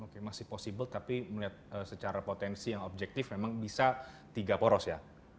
oke masih possible tapi melihat secara potensi yang objektif memang bisa tiga poros ya